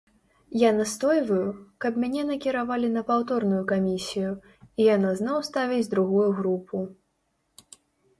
Я настойваю, каб мяне накіравалі на паўторную камісію, і яна зноў ставіць другую групу.